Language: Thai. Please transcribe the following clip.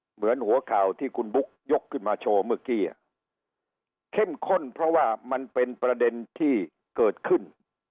เหมือนหัวข่าวที่คุณบุ๊กยกขึ้นมาโชว์เมื่อกี้เข้มข้นเพราะว่ามันเป็นประเด็นที่เกิดขึ้น